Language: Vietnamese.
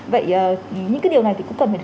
vậy những cái điều này thì cũng cần phải